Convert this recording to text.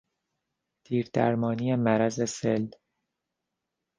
دیردرمانی مرض سل